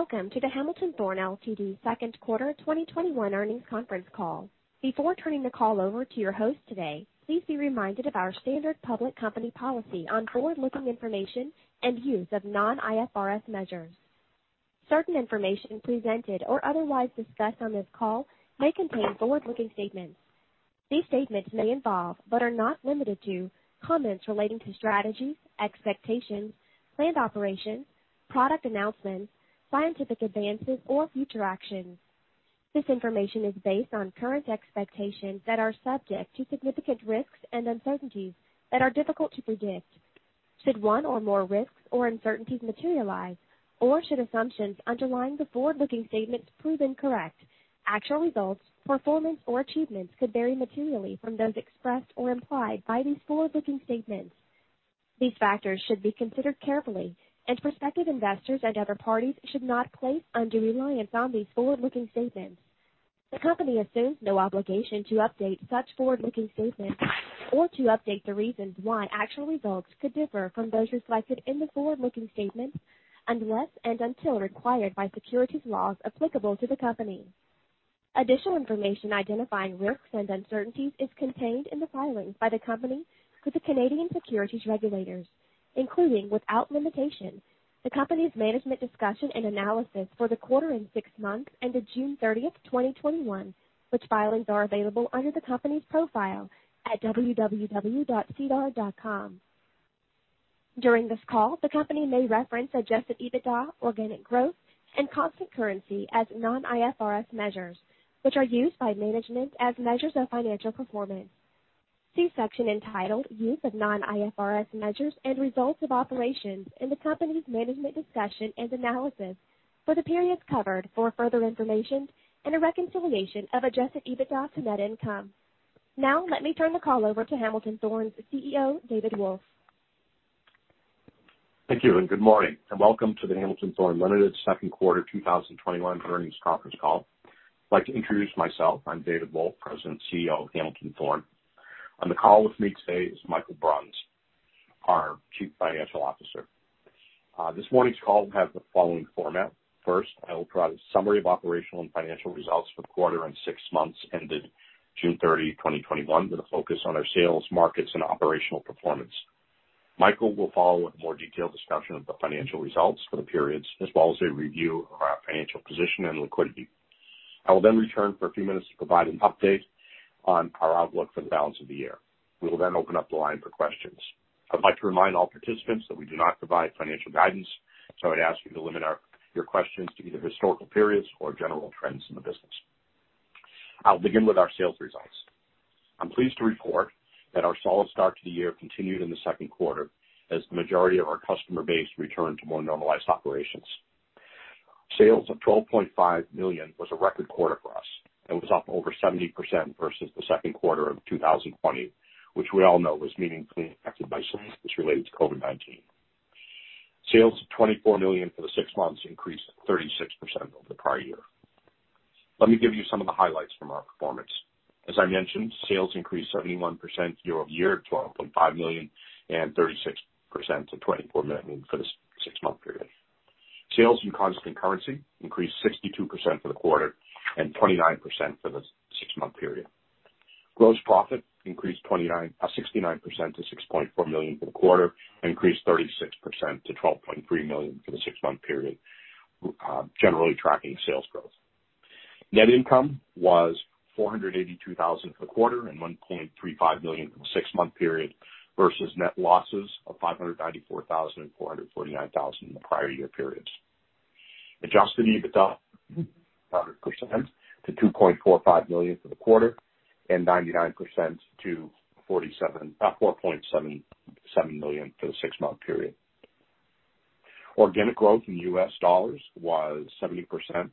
Welcome to the Hamilton Thorne Ltd. Second Quarter 2021 Earnings Conference Call. Before turning the call over to your host today, please be reminded of our standard public company policy on forward-looking information and use of non-IFRS measures. Certain information presented or otherwise discussed on this call may contain forward-looking statements. These statements may involve, but are not limited to, comments relating to strategies, expectations, planned operations, product announcements, scientific advances, or future actions. This information is based on current expectations that are subject to significant risks and uncertainties that are difficult to predict. Should one or more risks or uncertainties materialize, or should assumptions underlying the forward-looking statements prove incorrect, actual results, performance, or achievements could vary materially from those expressed or implied by these forward-looking statements. These factors should be considered carefully, and prospective investors and other parties should not place undue reliance on these forward-looking statements. The company assumes no obligation to update such forward-looking statements or to update the reasons why actual results could differ from those reflected in the forward-looking statements unless and until required by securities laws applicable to the company. Additional information identifying risks and uncertainties is contained in the filings by the company with the Canadian securities regulators, including, without limitation, the company's Management Discussion and Analysis for the quarter and six months ended June 30th, 2021, which filings are available under the company's profile at www.sedar.com. During this call, the company may reference Adjusted EBITDA, organic growth, and constant currency as non-IFRS measures, which are used by management as measures of financial performance. See section entitled "Use of Non-IFRS Measures and Results of Operations" in the company's Management Discussion and Analysis for the periods covered for further information and a reconciliation of Adjusted EBITDA to net income. Now let me turn the call over to Hamilton Thorne's CEO, David Wolf. Thank you, and good morning, and welcome to the Hamilton Thorne Limited Second Quarter 2021 Earnings Conference Call. I'd like to introduce myself. I'm David Wolf, President and CEO of Hamilton Thorne. On the call with me today is Michael Bruns, our Chief Financial Officer. This morning's call will have the following format. First, I will provide a summary of operational and financial results for the quarter, and six months ended June 30, 2021, with a focus on our sales, markets, and operational performance. Michael will follow with a more detailed discussion of the financial results for the periods, as well as a review of our financial position and liquidity. I will return for a few minutes to provide an update on our outlook for the balance of the year. We will open up the line for questions. I'd like to remind all participants that we do not provide financial guidance, so I'd ask you to limit your questions to either historical periods or general trends in the business. I'll begin with our sales results. I'm pleased to report that our solid start to the year continued in the second quarter as the majority of our customer base returned to more normalized operations. Sales of $12.5 million was a record quarter for us and was up over 70% versus the second quarter of 2020, which we all know was meaningfully affected by sales issues related to COVID-19. Sales of $24 million for the six months increased 36% over the prior year. Let me give you some of the highlights from our performance. As I mentioned, sales increased 71% year-over-year to $12.5 million and 36% to 24 million for the six-month period. Sales in constant currency increased 62% for the quarter and 29% for the six-month period. Gross profit increased 69% to $6.4 million for the quarter and increased 36% to $12.3 million for the six-month period, generally tracking sales growth. Net income was $482,000 for the quarter and 1.35 million for the six-month period versus net losses of $594,000 and 449,000 in the prior year periods. Adjusted EBITDA 100% to $2.45 million for the quarter and 99% to $4.77 million for the six-month period. Organic growth in US dollars was 70%, 61%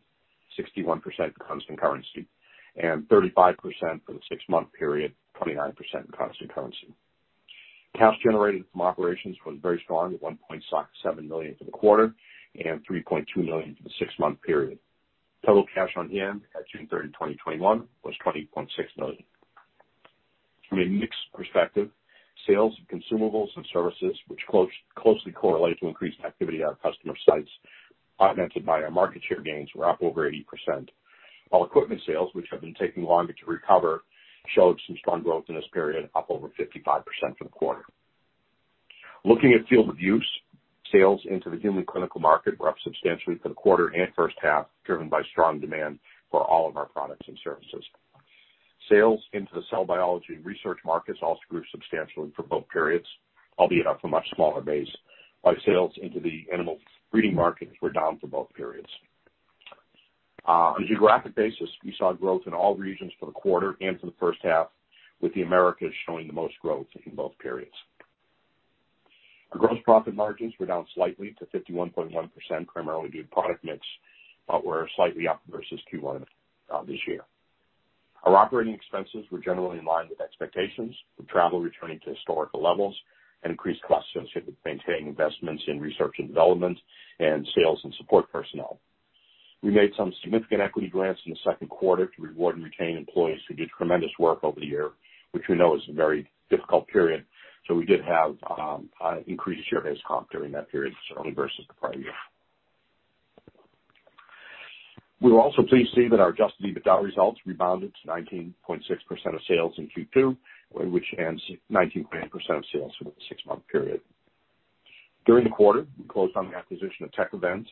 in constant currency and 35% for the six-month period, 29% in constant currency. Cash generated from operations was very strong at $1.57 million for the quarter and $3.2 million for the six-month period. Total cash on hand at June 3rd, 2021, was $20.6 million. From a mix perspective, sales of consumables and services, which closely correlate to increased activity at our customer sites, augmented by our market share gains, were up over 80%. All equipment sales, which have been taking longer to recover, showed some strong growth in this period, up over 55% for the quarter. Looking at field of use, sales into the human clinical market were up substantially for the quarter and first half, driven by strong demand for all of our products and services. Sales into the cell biology and research markets also grew substantially for both periods, albeit off a much smaller base, while sales into the animal breeding markets were down for both periods. On a geographic basis, we saw growth in all regions for the quarter and for the first half, with the Americas showing the most growth in both periods. Our gross profit margins were down slightly to 51.1%, primarily due to product mix, but were slightly up versus Q1 of this year. Our operating expenses were generally in line with expectations, with travel returning to historical levels and increased costs associated with maintaining investments in research and development and sales and support personnel. We made some significant equity grants in the second quarter to reward and retain employees who did tremendous work over the year, which we know is a very difficult period. We did have increased share-based comp during that period certainly versus the prior year. We were also pleased to see that our Adjusted EBITDA results rebounded to 19.6% of sales in Q2, which ends 19.8% of sales for the six-month period. During the quarter, we closed on the acquisition of Tek-Event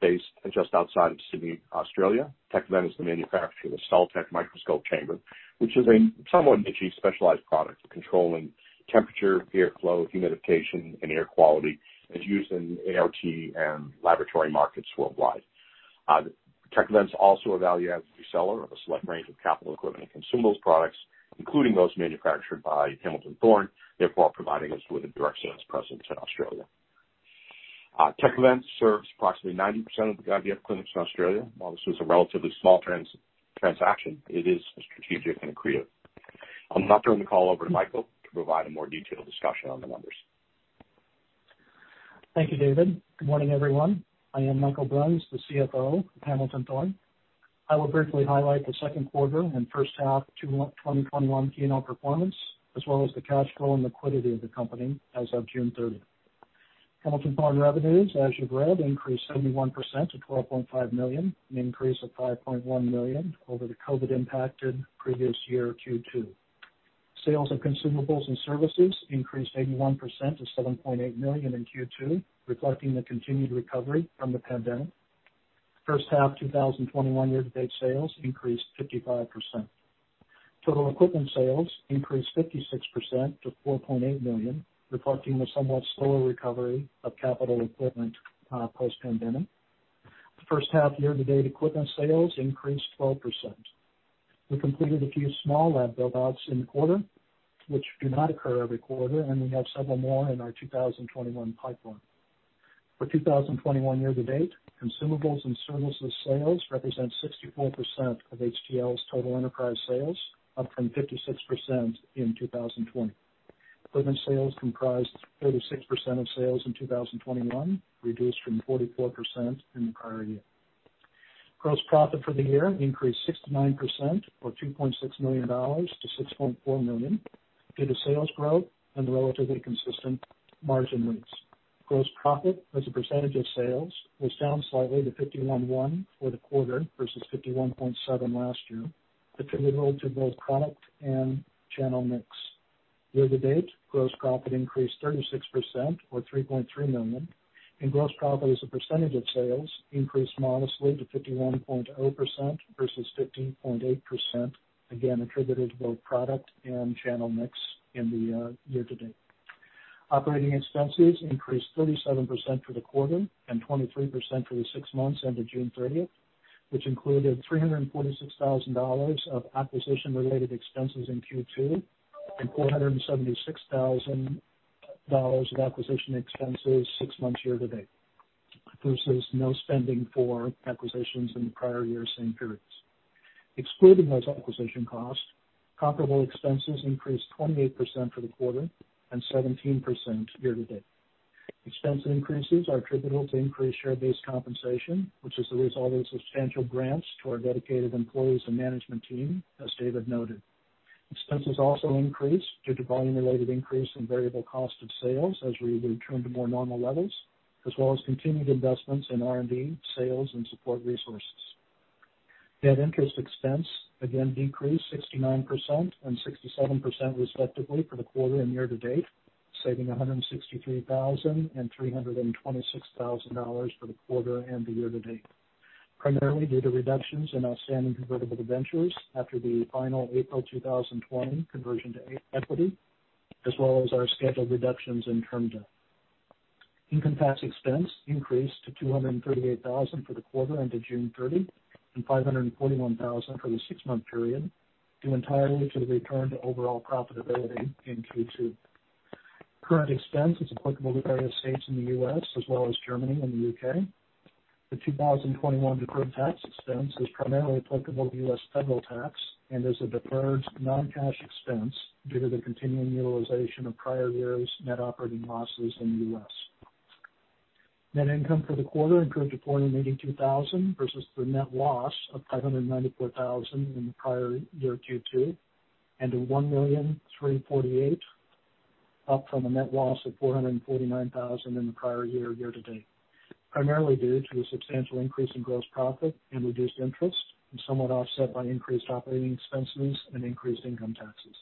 based just outside of Sydney, Australia. Tek-Event is the manufacturer of the Cell-Tek Microscope Chamber, which is a somewhat niche-y specialized product for controlling temperature, airflow, humidification, and air quality, and is used in ART and laboratory markets worldwide. Tek-Event is also a value-added reseller of a select range of capital equipment and consumables products, including those manufactured by Hamilton Thorne, therefore providing us with a direct sales presence in Australia. Tek-Event serves approximately 90% of the IVF clinics in Australia. While this was a relatively small transaction, it is a strategic and accretive. I'll now turn the call over to Michael to provide a more detailed discussion on the numbers. Thank you, David. Good morning, everyone. I am Michael Bruns, the CFO of Hamilton Thorne. I will briefly highlight the second quarter and first half 2021 P&L performance, as well as the cash flow and liquidity of the company as of June 30th. Hamilton Thorne revenues, as you've read, increased 71% to $12.5 million, an increase of 5.1 million over the COVID-impacted previous year Q2. Sales of consumables and services increased 81% to $7.8 million in Q2, reflecting the continued recovery from the pandemic. First half 2021 year-to-date sales increased 55%. Total equipment sales increased 56% to $4.8 million, reflecting the somewhat slower recovery of capital equipment post-pandemic. First half year-to-date equipment sales increased 12%. We completed a few small lab build-outs in the quarter, which do not occur every quarter, and we have several more in our 2021 pipeline. For 2021 year-to-date, consumables and services sales represent 64% of HTL's total enterprise sales, up from 56% in 2020. Equipment sales comprised 36% of sales in 2021, reduced from 44% in the prior year. Gross profit for the year increased 69% or $2.6 million to 6.4 million due to sales growth and relatively consistent margin mix. Gross profit as a percentage of sales was down slightly to 51.1% for the quarter versus 51.7% last year, attributable to both product and channel mix. Year-to-date, gross profit increased 36% or $3.3 million, and gross profit as a percentage of sales increased modestly to 51.0% versus 15.8%, again attributed to both product and channel mix in the year-to-date. Operating expenses increased 37% for the quarter and 23% for the six months ended June 30th, which included $346,000 of acquisition-related expenses in Q2 and $476,000 of acquisition expenses six months year-to-date, versus no spending for acquisitions in the prior year same periods. Excluding those acquisition costs, comparable expenses increased 28% for the quarter and 17% year-to-date. Expense increases are attributable to increased share-based compensation, which is the result of substantial grants to our dedicated employees and management team, as David noted. Expenses also increased due to volume-related increase in variable cost of sales as we return to more normal levels, as well as continued investments in R&D, sales, and support resources. Net interest expense again decreased 69% and 67%, respectively, for the quarter and year-to-date, saving $163,000 and 326,000 for the quarter and the year-to-date, primarily due to reductions in outstanding convertible debentures after the final April 2020 conversion to equity, as well as our scheduled reductions in term debt. Income tax expense increased to $238,000 for the quarter ended June 30, and $541,000 for the six-month period, due entirely to the return to overall profitability in Q2. Current expense is applicable to various states in the U.S. as well as Germany and the U.K. The 2021 deferred tax expense is primarily applicable to U.S. federal tax and is a deferred non-cash expense due to the continuing utilization of prior years' net operating losses in the U.S. Net income for the quarter improved to $482,000 versus the net loss of $594,000 in the prior year Q2, and to $1.348 million, up from a net loss of $449,000 in the prior year year-to-date, primarily due to a substantial increase in gross profit and reduced interest, and somewhat offset by increased operating expenses and increased income taxes.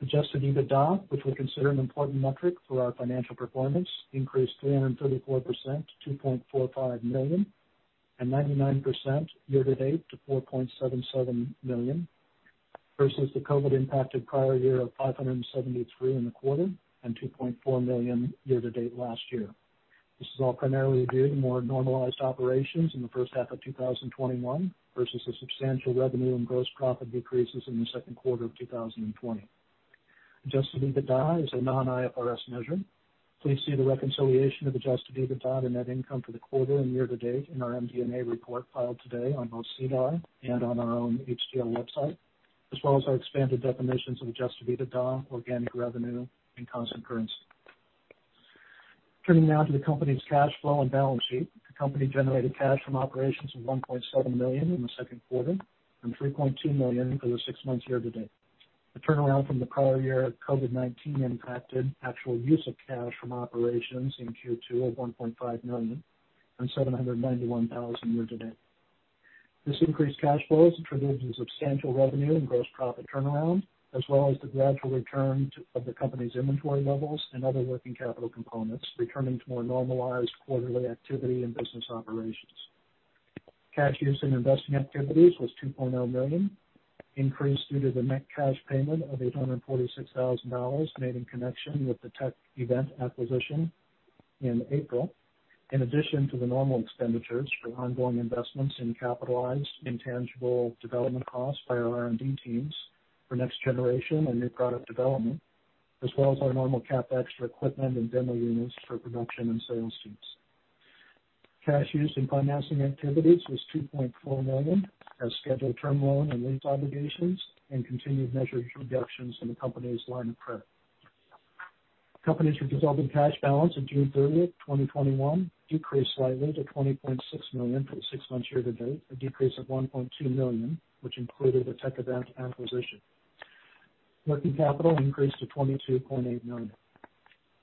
Adjusted EBITDA, which we consider an important metric for our financial performance, increased 334% to $2.45 million and 99% year-to-date to $4.77 million versus the COVID-impacted prior year of $573,000 in the quarter and $2.4 million year-to-date last year. This is all primarily due to more normalized operations in the first half of 2021 versus the substantial revenue and gross profit decreases in the second quarter of 2020. Adjusted EBITDA is a non-IFRS measure. Please see the reconciliation of Adjusted EBITDA to net income for the quarter and year-to-date in our MD&A report filed today on both SEDAR and on our own HTL website, as well as our expanded definitions of Adjusted EBITDA, organic revenue, and constant currency. Turning now to the company's cash flow and balance sheet. The company generated cash from operations of $1.7 million in the second quarter and $3.2 million for the six months year-to-date. The turnaround from the prior year COVID-19 impacted actual use of cash from operations in Q2 of $1.5 million and 791,000 year-to-date. This increased cash flows attributed to substantial revenue and gross profit turnaround, as well as the gradual return of the company's inventory levels and other working capital components returning to more normalized quarterly activity and business operations. Cash use in investing activities was $2.0 million, increased due to the net cash payment of $846,000 made in connection with the Tek-Event acquisition in April, in addition to the normal expenditures for ongoing investments in capitalized intangible development costs by our R&D teams for next generation and new product development, as well as our normal CapEx for equipment and demo units for production and sales teams. Cash use in financing activities was $2.4 million as scheduled term loan and lease obligations and continued measured reductions in the company's line of credit. Company's with resulting cash balance at June 30th, 2021 decreased slightly to $20.6 million for the six months year-to-date, a decrease of $1.2 million, which included the Tek-Event acquisition. Working capital increased to $22.8 million.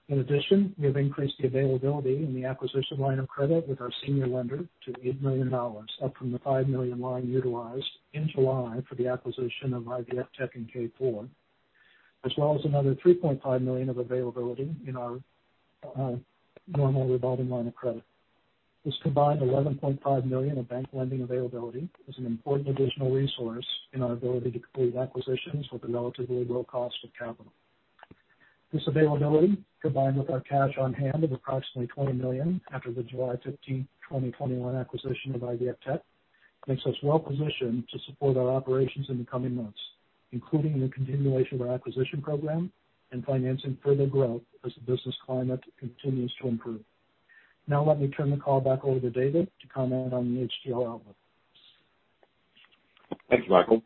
In addition, we have increased the availability in the acquisition line of credit with our senior lender to $8 million, up from the 5 million line utilized in July for the acquisition of IVFtech and K4, as well as another $3.5 million of availability in our normal revolving line of credit. This combined $11.5 million of bank lending availability is an important additional resource in our ability to complete acquisitions with a relatively low cost of capital. This availability, combined with our cash on hand of approximately $20 million after the July 15th, 2021 acquisition of IVFtech, makes us well positioned to support our operations in the coming months, including the continuation of our acquisition program and financing further growth as the business climate continues to improve. Now let me turn the call back over to David to comment on the HTL outlook. Thanks, Michael.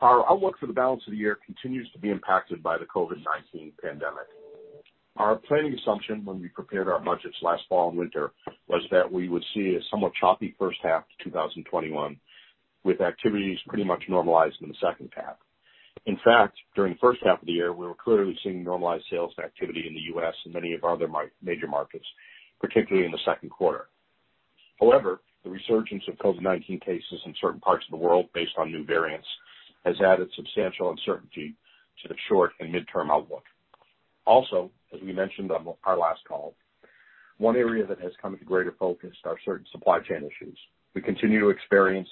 Our outlook for the balance of the year continues to be impacted by the COVID-19 pandemic. Our planning assumption when we prepared our budgets last fall and winter was that we would see a somewhat choppy first half to 2021, with activities pretty much normalized in the second half. In fact, during the first half of the year, we were clearly seeing normalized sales activity in the U.S. and many of our other major markets, particularly in the second quarter. However, the resurgence of COVID-19 cases in certain parts of the world based on new variants has added substantial uncertainty to the short and midterm outlook. Also, as we mentioned on our last call, one area that has come into greater focus are certain supply chain issues. We continue to experience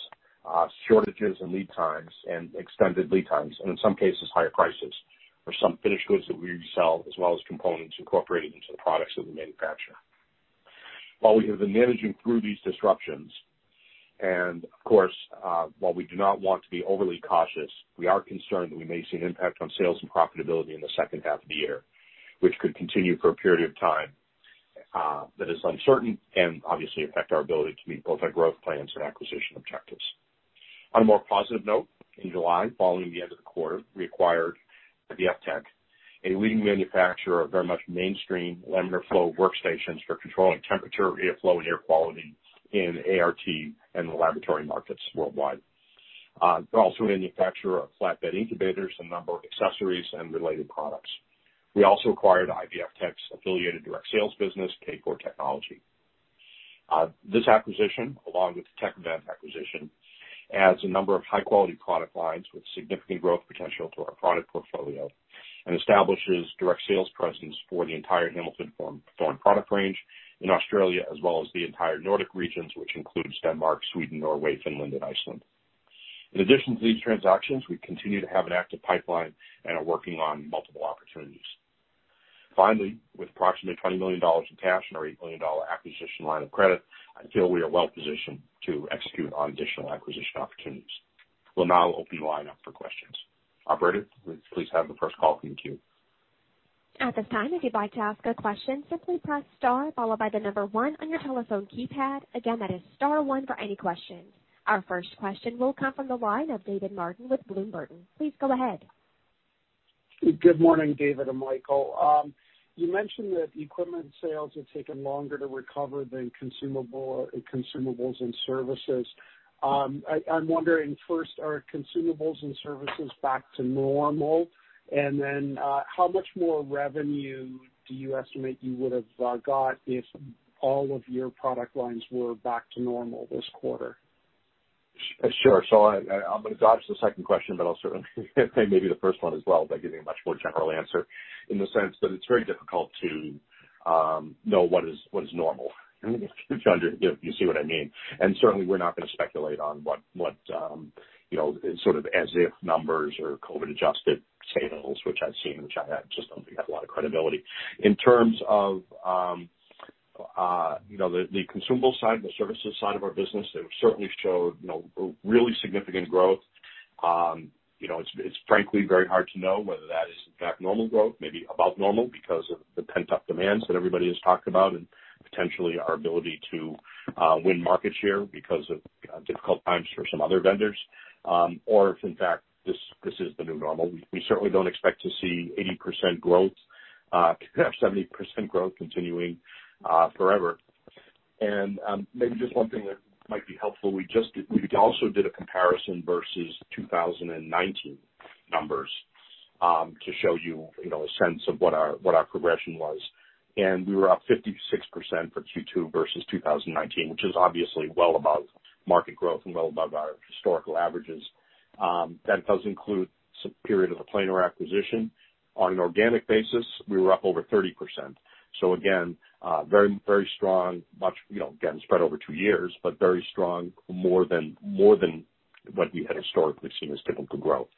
shortages and lead times and extended lead times, and in some cases, higher prices for some finished goods that we resell, as well as components incorporated into the products that we manufacture. While we have been managing through these disruptions, and of course, while we do not want to be overly cautious, we are concerned that we may see an impact on sales and profitability in the second half of the year, which could continue for a period of time that is uncertain and obviously affect our ability to meet both our growth plans and acquisition objectives. On a more positive note, in July, following the end of the quarter, we acquired IVFtech, a leading manufacturer of very much mainstream laminar flow workstations for controlling temperature, airflow, and air quality in ART and the laboratory markets worldwide. They're also a manufacturer of flatbed incubators, a number of accessories, and related products. We also acquired IVFtech's affiliated direct sales business, K4 Technology. This acquisition, along with the Tek-Event acquisition, adds a number of high-quality product lines with significant growth potential to our product portfolio and establishes direct sales presence for the entire Hamilton Thorne product range in Australia, as well as the entire Nordic Region, which includes Denmark, Sweden, Norway, Finland, and Iceland. In addition to these transactions, we continue to have an active pipeline and are working on multiple opportunities. Finally, with approximately $20 million in cash and our $8 million acquisition line of credit, I feel we are well positioned to execute on additional acquisition opportunities. We'll now open the line up for questions. Operator, please have the first call from the queue. At this time, if you'd like to ask a question, simply press star followed by the number one on your telephone keypad. Again, that is star one for any questions. Our first question will come from the line of David Martin with Bloom Burton. Please go ahead. Good morning, David and Michael. You mentioned that the equipment sales have taken longer to recover than consumables and services. I'm wondering first, are consumables and services back to normal? How much more revenue do you estimate you would have got if all of your product lines were back to normal this quarter? Sure. I'm going to dodge the second question, but I'll certainly take maybe the first one as well by giving a much more general answer in the sense that it's very difficult to know what is normal. If you see what I mean. Certainly, we're not going to speculate on what sort of as if numbers or COVID-adjusted sales, which I've seen, which I just don't think have a lot of credibility. In terms of the consumable side and the services side of our business, they certainly showed really significant growth. It's frankly very hard to know whether that is in fact normal growth, maybe above normal because of the pent-up demands that everybody has talked about and potentially our ability to win market share because of difficult times for some other vendors. Or if in fact, this is the new normal. We certainly don't expect to see 80% growth, perhaps 70% growth continuing forever. Maybe just one thing that might be helpful, we also did a comparison versus 2019 numbers, to show you a sense of what our progression was. We were up 56% for Q2 versus 2019, which is obviously well above market growth and well above our historical averages. That does include some period of the Planer acquisition. On an organic basis, we were up over 30%. Again, very, very strong. Again, spread over two years, but very strong, more than what we had historically seen as typical growth.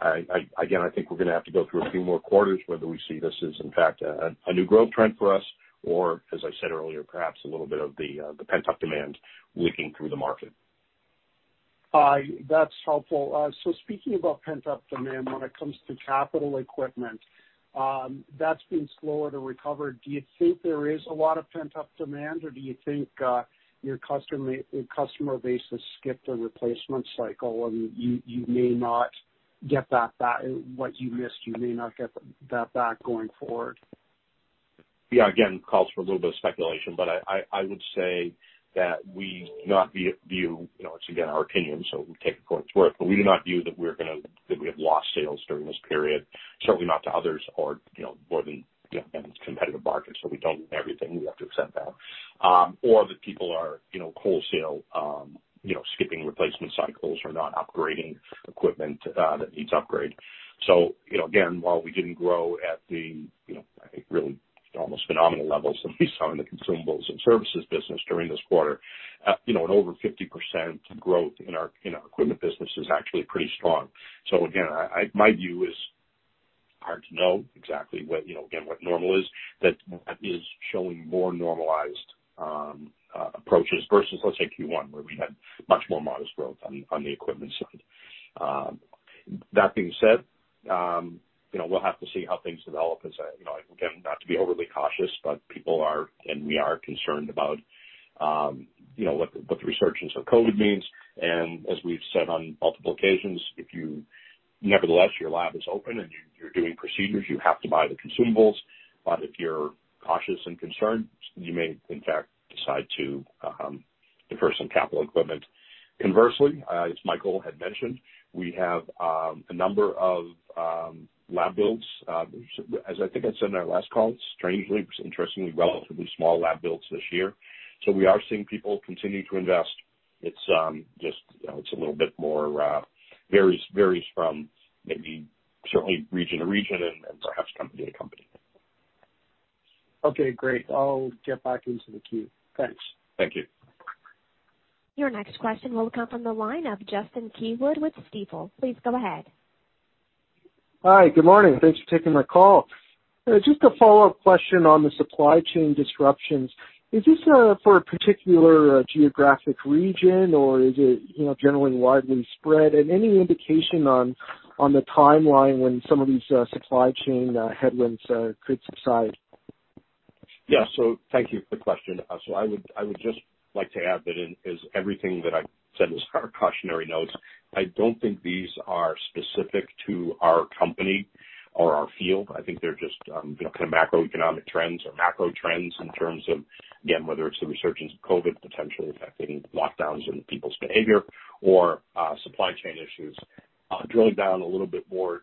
Again, I think we're going to have to go through a few more quarters, whether we see this as, in fact, a new growth trend for us, or, as I said earlier, perhaps a little bit of the pent-up demand leaking through the market. That's helpful. Speaking about pent-up demand when it comes to capital equipment, that's been slower to recover. Do you think there is a lot of pent-up demand, or do you think your customer base has skipped a replacement cycle, and what you missed, you may not get that back going forward? Yeah, again, calls for a little bit of speculation, but I would say that we do not view, it is again our opinion, so take according to worth, but we do not view that we have lost sales during this period. Certainly not to others or more than a competitive market. We do not win everything. We have to accept that. That people are wholesale, you know, skipping replacement cycles or not upgrading equipment that needs upgrade. While we did not grow at the, I think really almost phenomenal levels that we saw in the consumables and services business during this quarter, an over 50% growth in our equipment business is actually pretty strong. My view is hard to know exactly what normal is. That is showing more normalized approaches versus, let's say Q1, where we had much more modest growth on the equipment side. That being said, we'll have to see how things develop as, again, not to be overly cautious, but people are, and we are concerned about what the resurgence of COVID-19 means. As we've said on multiple occasions, if you, nevertheless, your lab is open and you're doing procedures, you have to buy the consumables. If you're cautious and concerned, you may in fact decide to defer some capital equipment. Conversely, as Michael had mentioned, we have a number of lab builds. I think I said in our last call, strangely, interestingly, relatively small lab builds this year. We are seeing people continue to invest. It's a little bit more, varies from maybe, certainly region to region and perhaps company to company. Okay, great. I'll get back into the queue. Thanks. Thank you. Your next question will come from the line of Justin Keywood with Stifel. Please go ahead. Hi. Good morning. Thanks for taking my call. Just a follow-up question on the supply chain disruptions. Is this for a particular geographic region or is it generally widely spread? Any indication on the timeline when some of these supply chain headwinds could subside? Thank you for the question. I would just like to add that as everything that I said was cautionary notes. I don't think these are specific to our company or our field. I think they're just kind of macroeconomic trends or macro trends in terms of, again, whether it's the resurgence of COVID-19 potentially affecting lockdowns and people's behavior or supply chain issues. Drilling down a little bit more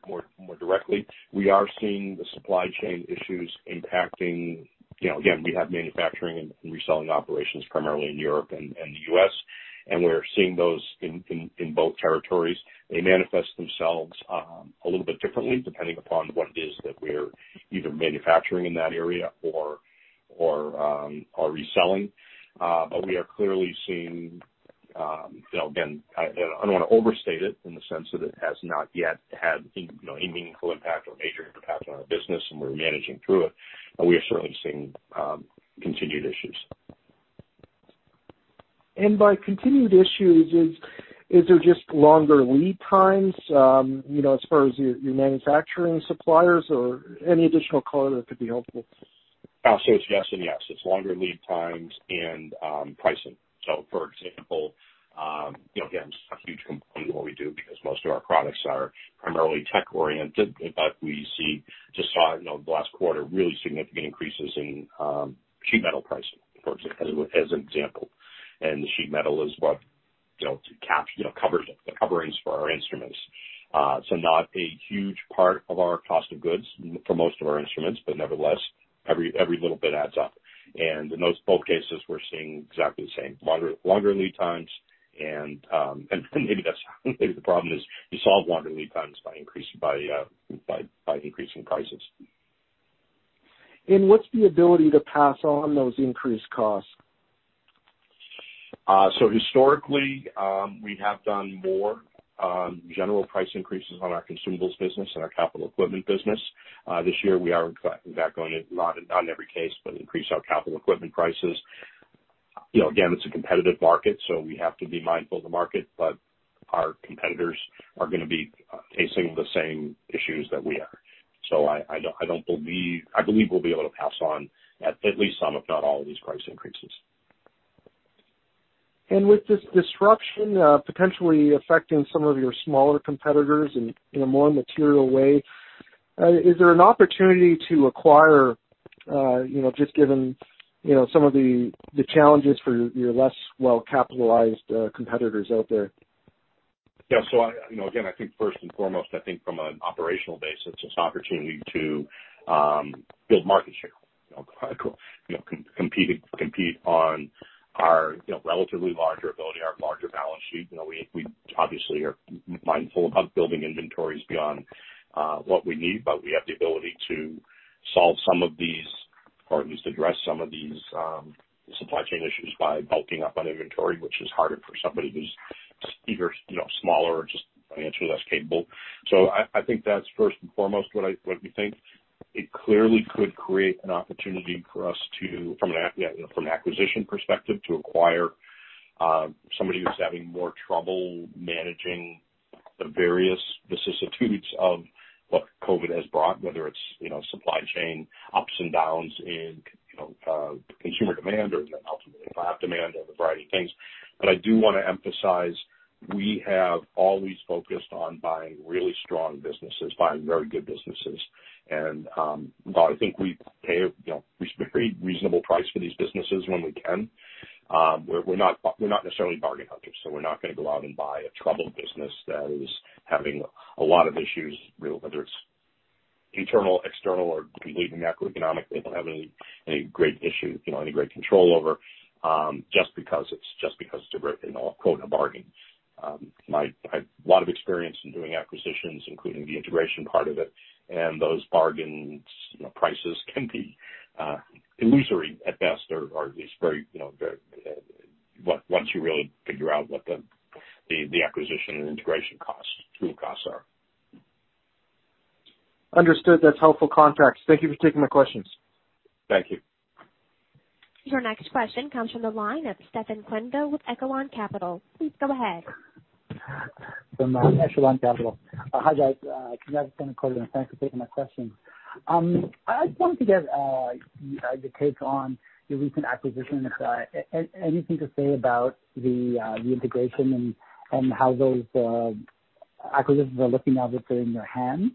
directly, we are seeing the supply chain issues impacting, again, we have manufacturing and reselling operations primarily in Europe and the U.S., and we're seeing those in both territories. They manifest themselves a little bit differently depending upon what it is that we're either manufacturing in that area or reselling. We are clearly seeing, again, I don't want to overstate it in the sense that it has not yet had any meaningful impact or major impact on our business and we're managing through it, but we are certainly seeing continued issues. By continued issues, is there just longer lead times as far as your manufacturing suppliers or any additional color that could be helpful? It's yes, and yes. It's longer lead times and pricing. For example, again, it's a huge component of what we do because most of our products are primarily tech oriented. We just saw in the last quarter really significant increases in sheet metal pricing, as an example. The sheet metal is what covers the coverings for our instruments. Not a huge part of our cost of goods for most of our instruments, but nevertheless, every little bit adds up. In those both cases, we're seeing exactly the same. Longer lead times and maybe that's the problem is you solve longer lead times by increasing prices. And what's the ability to pass on those increased costs? Historically, we have done more general price increases on our consumables business and our capital equipment business. This year we are in fact going to, not in every case, but increase our capital equipment prices. You know, again, it's a competitive market, so we have to be mindful of the market, but our competitors are going to be facing the same issues that we are. I believe we'll be able to pass on at least some, if not all, of these price increases. With this disruption potentially affecting some of your smaller competitors in a more material way, is there an opportunity to acquire just given some of the challenges for your less well-capitalized competitors out there? I think first and foremost, I think from an operational basis, it's an opportunity to build market share, compete on our relatively larger ability, our larger balance sheet. We obviously are mindful about building inventories beyond what we need, but we have the ability to solve some of these, or at least address some of these supply chain issues by bulking up on inventory, which is harder for somebody who's either smaller or just financially less capable. I think that's first and foremost what we think. It clearly could create an opportunity for us to, from an acquisition perspective, to acquire somebody who's having more trouble managing the various vicissitudes of what COVID has brought, whether it's supply chain ups and downs in consumer demand or ultimately plant demand or the variety of things. I do want to emphasize, we have always focused on buying really strong businesses, buying very good businesses. While I think we pay a very reasonable price for these businesses when we can, we're not necessarily bargain hunters, so we're not going to go out and buy a troubled business that is having a lot of issues, whether it's internal, external, or completely macroeconomically, don't have any great issue, any great control over, just because it's, just because a very, you know, a corporate bargain. I have a lot of experience in doing acquisitions, including the integration part of it. Those bargain prices can be illusory at best or at least once you really figure out what the acquisition and integration costs, true costs are. Understood. That's helpful context. Thank you for taking my questions. Thank you. Your next question comes from the line of Stefan Quenneville with Echelon Capital. Please go ahead. From Echelon Capital. Hi, guys. Congratulations on the quarter. Thanks for taking my question. I just wanted to get your take on your recent acquisition. Anything to say about the integration and how those acquisitions are looking now that they're in your hand?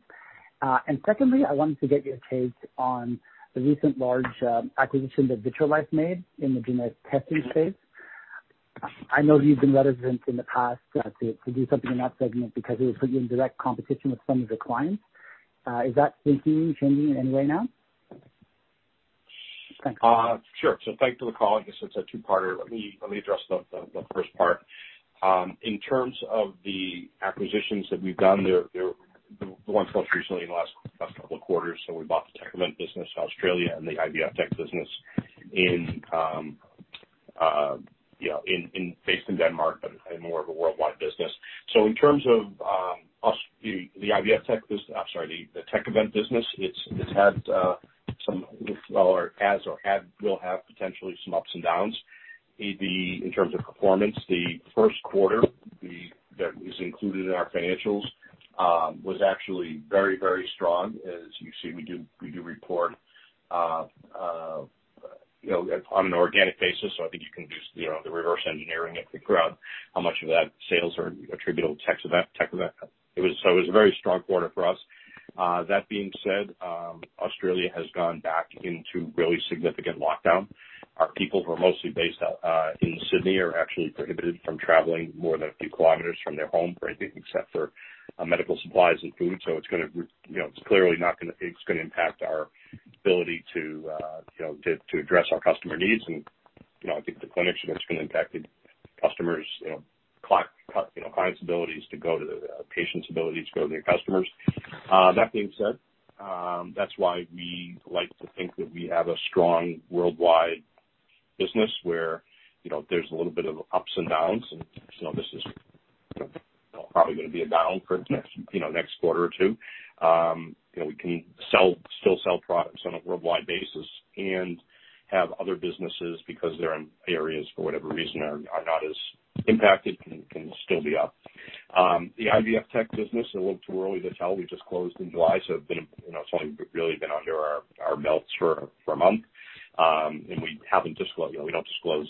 Secondly, I wanted to get your take on the recent large acquisition that Vitrolife made in the genetic testing space. I know you've been reticent in the past to do something in that segment because it would put you in direct competition with some of your clients. Is that thinking changing in any way now? Thanks. Sure. Thanks for the call. I guess it's a two-parter. Let me address the first part. In terms of the acquisitions that we've done, the ones most recently in the last couple of quarters, we bought the Tek-Event business in Australia and the IVFtech business based in Denmark, but in more of a worldwide business. In terms of the IVFtech business, I'm sorry, the Tek-Event business, it has or will have potentially some ups and downs. In terms of performance, the first quarter that is included in our financials was actually very strong. As you see, we do report on an organic basis, I think you can do the reverse engineering if you could, how much of that sales are attributable to Tek-Event. It was a very strong quarter for us. That being said, Australia has gone back into really significant lockdown. Our people who are mostly based out in Sydney are actually prohibited from traveling more than a few kilometers from their home for anything except for medical supplies and food. It's going to impact our ability to address our customer needs. I think the clinics are just going to impact patients' ability to go to their customers. That being said, that's why we like to think that we have a strong worldwide business where there's a little bit of ups and downs, and this is probably going to be a down for next quarter or two. We can still sell products on a worldwide basis and have other businesses because they're in areas for whatever reason are not as impacted and can still be up. The IVFtech business, a little too early to tell. We just closed in July, so it's only really been under our belts for a month. We don't disclose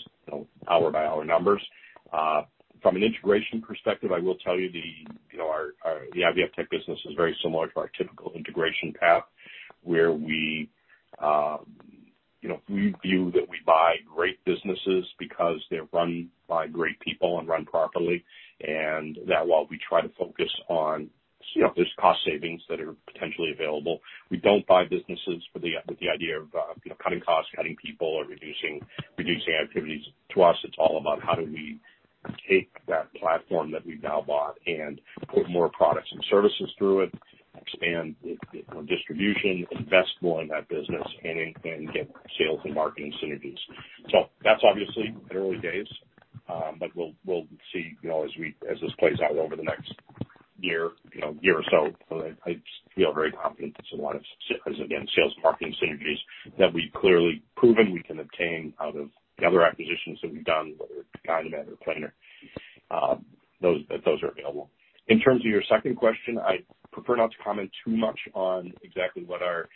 hour-by-hour numbers. From an integration perspective, I will tell you the IVFtech business is very similar to our typical integration path where we view that we buy great businesses because they're run by great people and run properly, and that while we try to focus on, there's cost savings that are potentially available. We don't buy businesses with the idea of cutting costs, cutting people, or reducing activities. To us, it's all about how do we take that platform that we've now bought and put more products and services through it, expand distribution, invest more in that business, and get sales and marketing synergies. That's obviously in early days, but we'll see as this plays out over the next year or so. I feel very confident there's a lot of, again, sales and marketing synergies that we've clearly proven we can obtain out of the other acquisitions that we've done, whether it's Gynemed or Planer. Those are available. In terms of your second question, I'd prefer not to comment too much on exactly what our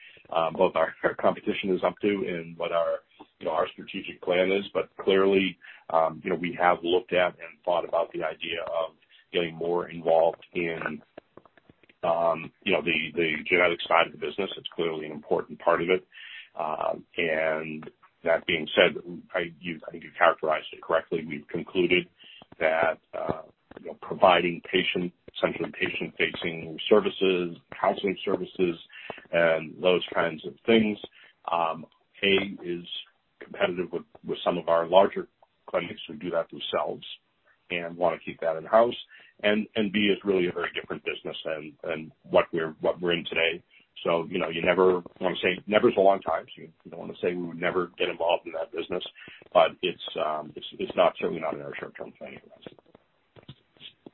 competition is up to and what our strategic plan is. Clearly, we have looked at and thought about the idea of getting more involved in the genetic side of the business. It's clearly an important part of it. And, that being said, I think you characterized it correctly. We've concluded that providing essentially patient-facing services, counseling services, and those kinds of things, A, is competitive with some of our larger clinics who do that themselves and want to keep that in-house, and B, it's really a very different business than what we're in today. You don't want to say never is a long time. You don't want to say we would never get involved in that business. It's certainly not in our short-term planning,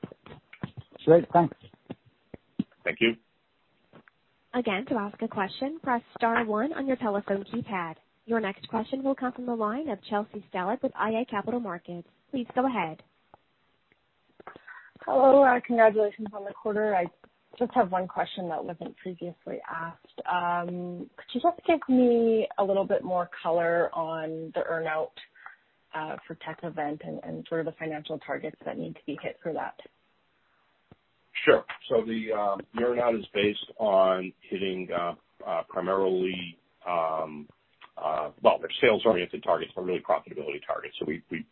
right? Great. Thanks. Thank you. Again, to ask a question, press star one on your telephone keypad. Your next question will come from the line of Chelsea Stellick with iA Capital Markets. Please go ahead. Hello. Congratulations on the quarter. I just have one question that wasn't previously asked. Could you just give me a little bit more color on the earn-out for Tek-Event and sort of the financial targets that need to be hit for that? Sure. The earn-out is based on hitting primarily Well, they're sales-oriented targets, but really profitability targets.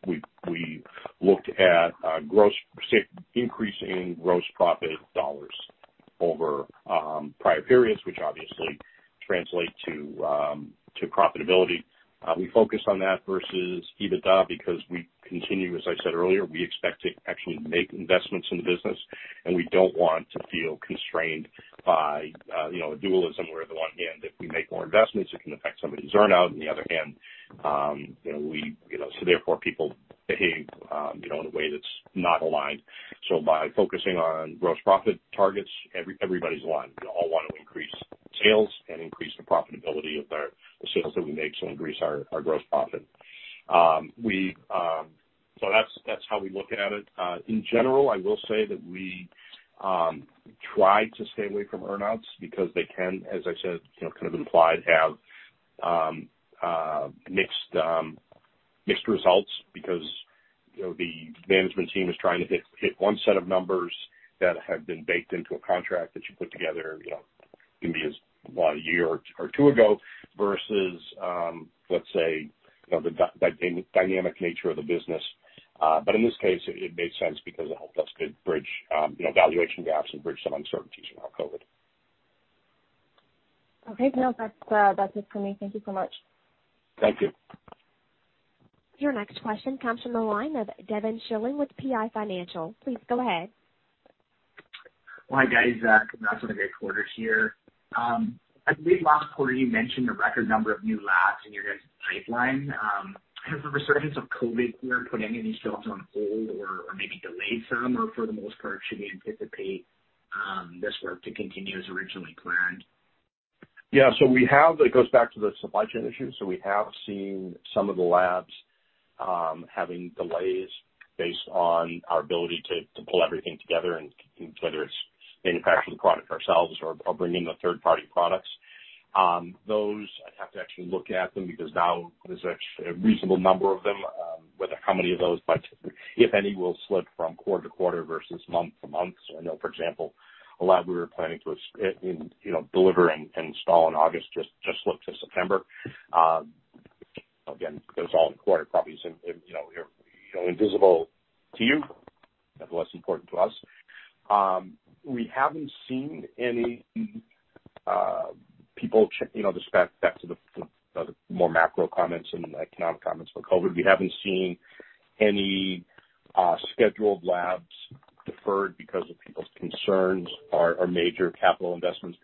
We looked at increasing gross profit dollars over prior periods, which obviously translate to profitability. We focus on that versus EBITDA because we continue, as I said earlier, we expect to actually make investments in the business, and we don't want to feel constrained by dualism, where on the one hand, if we make more investments, it can affect somebody's earn-out, on the other hand. Therefore, people behave in a way that's not aligned. By focusing on gross profit targets, everybody's aligned. We all want to increase sales and increase the profitability of the systems that we make to increase our gross profit. That's how we look at it. In general, I will say that we try to stay away from earn-outs because they can, as I said, kind of implied, have mixed results because the management team is trying to hit one set of numbers that have been baked into a contract that you put together, can be as, what, a year or two ago, versus, let's say, the dynamic nature of the business. In this case, it made sense because it helped us to bridge valuation gaps and bridge some uncertainties around COVID. Okay. No, that's it for me. Thank you so much. Thank you. Your next question comes from the line of Devin Schilling with PI Financial. Please go ahead. Well, hi, guys. Congrats on a great quarter here. I believe last quarter you mentioned a record number of new labs in your guys' pipeline. Has the resurgence of COVID-19 put any of these deals on hold or maybe delayed some? Or for the most part, should we anticipate this work to continue as originally planned? Yeah. It goes back to the supply chain issue. We have seen some of the labs having delays based on our ability to pull everything together, and whether it's manufacturing the product ourselves or bringing the third-party products. Those I'd have to actually look at them because now there's a reasonable number of them, whether how many of those, if any, will slip from quarter-to-quarter versus month-to-month. I know, for example, a lab we were planning to deliver and install in August just slipped to September. Again, it goes all in quarter, probably, invisible to you, but less important to us. We haven't seen any people, just back to the more macro comments and economic comments for COVID-19, we haven't seen any scheduled labs deferred because of people's concerns, or major capital investments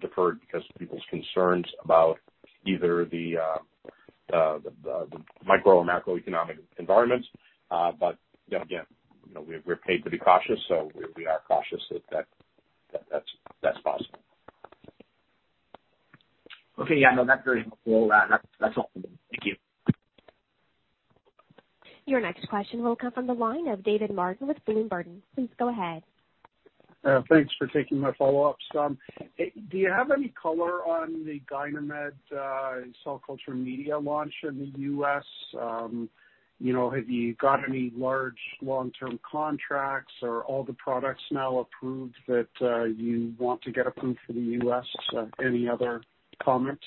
deferred because of people's concerns about either the micro or macroeconomic environments. Again, we're paid to be cautious, so we are cautious if that's possible. Okay. Yeah, no, that's very helpful. That's all for me. Thank you. Your next question will come from the line of David Martin with Bloom Burton. Please go ahead. Thanks for taking my follow-ups. Do you have any color on the Gynemed cell culture media launch in the U.S.? Have you got any large long-term contracts? Are all the products now approved that you want to get approved for the U.S.? Any other comments?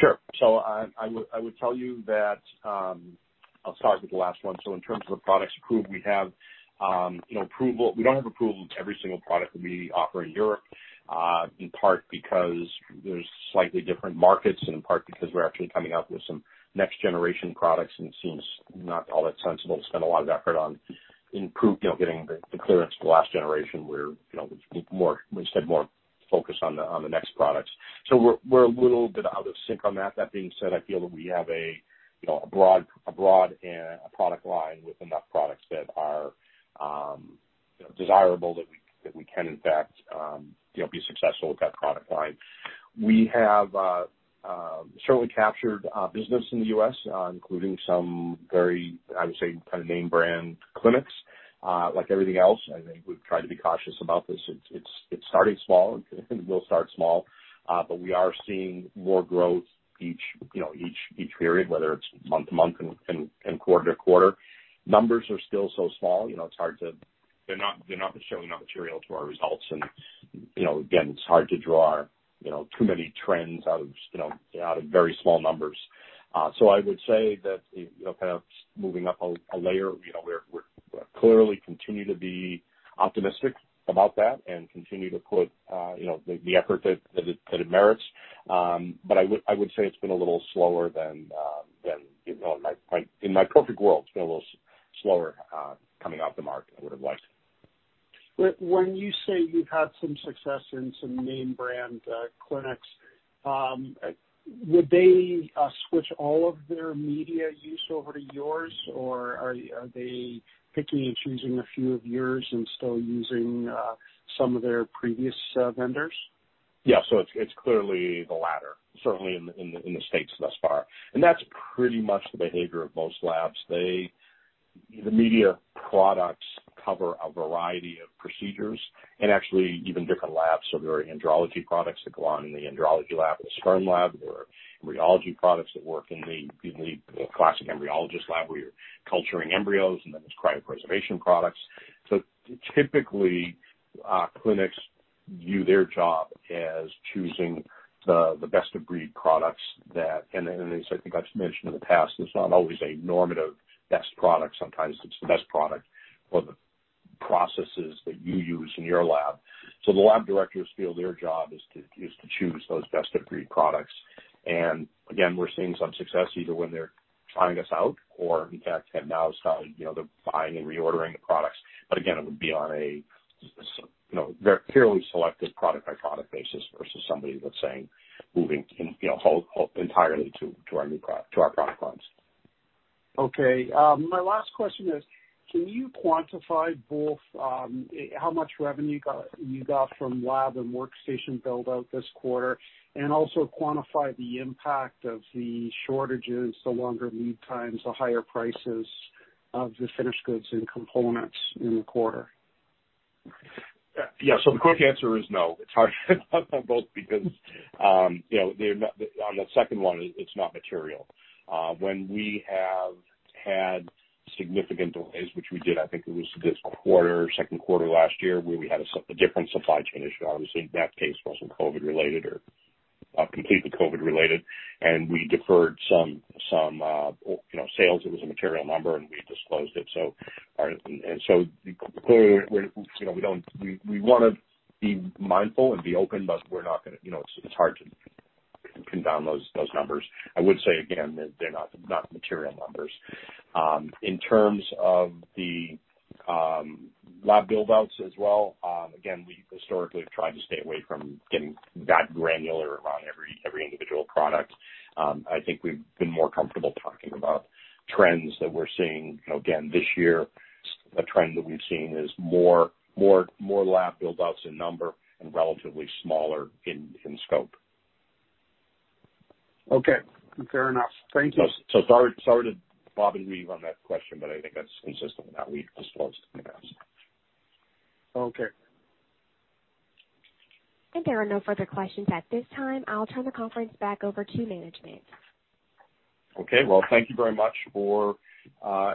Sure. I would tell you that I'll start with the last one. In terms of the products approved, we don't have approval to every single product that we offer in Europe, in part because there's slightly different markets and in part because we're actually coming out with some next-generation products, and it seems not all that sensible to spend a lot of effort on getting the clearance for the last generation where we're instead more focused on the next products. We're a little bit out of sync on that. That being said, I feel that we have a broad product line with enough products that are desirable that we can in fact be successful with that product line. We have certainly captured business in the U.S., including some very, I would say, kind of name brand clinics. Like everything else, I think we've tried to be cautious about this. It's starting small and we'll start small. We are seeing more growth each period, whether it's month-to-month and quarter-to-quarter. Numbers are still so small, they're not showing up material to our results. Again, it's hard to draw too many trends out of very small numbers. I would say that, kind of moving up a layer, we're clearly continue to be optimistic about that and continue to put the effort that it merits. I would say it's been a little slower than, in my perfect world, it's been a little slower coming off the market I would've liked. When you say you've had some success in some name brand clinics, would they switch all of their media use over to yours? Or are they picking and choosing a few of yours and still using some of their previous vendors? Yeah. It's clearly the latter, certainly in the U.S. thus far. That's pretty much the behavior of most labs. The media products cover a variety of procedures and actually even different labs. There are andrology products that go on in the andrology lab or the sperm lab. There are embryology products that work in the classic embryologist lab, where you're culturing embryos. There's cryopreservation products. Typically, clinics view their job as choosing the best-of-breed products that, and as I think I've mentioned in the past, it's not always a normative best product. Sometimes it's the best product for the processes that you use in your lab. The lab directors feel their job is to choose those best-of-breed products. Again, we're seeing some success either when they're trying us out or in fact, now they're buying and reordering the products. Again, it would be on a very purely selective product-by-product basis versus somebody that's saying, moving entirely to our product lines. Okay. My last question is, can you quantify both how much revenue you got from lab and workstation build-out this quarter, and also quantify the impact of the shortages, the longer lead times, the higher prices of the finished goods and components in the quarter? The quick answer is no. It's hard on both because on the second one, it's not material. When we have had significant delays, which we did, I think it was this quarter or second quarter last year, where we had a different supply chain issue. Obviously, in that case, it wasn't COVID-19 related or completely COVID-19 related, and we deferred some sales. It was a material number, and we disclosed it. Clearly, we want to be mindful and be open, but it's hard to pin down those numbers. I would say again, they're not material numbers. In terms of the lab build-outs as well, again, we historically have tried to stay away from getting that granular around every individual product. I think we've been more comfortable talking about trends that we're seeing. Again, this year, a trend that we've seen is more lab build-outs in number and relatively smaller in scope. Okay. Fair enough. Thank you. Sorry to [inaudible] that question, but I think that's consistent with how we've disclosed in the past. Okay. There are no further questions at this time. I'll turn the conference back over to management. Okay. Well, thank you very much for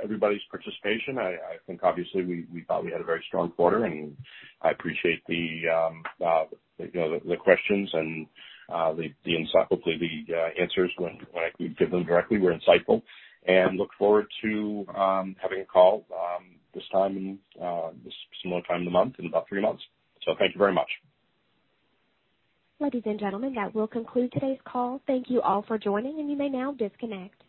everybody's participation. I think obviously we thought we had a very strong quarter, and I appreciate the questions and hopefully the answers, when I give them directly, were insightful. Look forward to having a call this similar time of the month in about three months. Thank you very much. Ladies and gentlemen, that will conclude today's call. Thank you all for joining, and you may now disconnect.